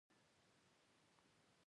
هګۍ کوم ویټامینونه لري؟